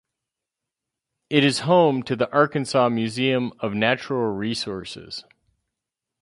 It is home to the Arkansas Museum of Natural Resources.